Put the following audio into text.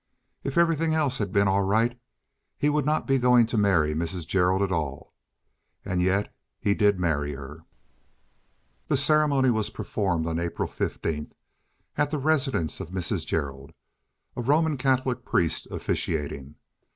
If everything else had been all right he would not be going to marry Mrs. Gerald at all. And yet he did marry her. The ceremony was performed on April fifteenth, at the residence of Mrs. Gerald, a Roman Catholic priest officiating.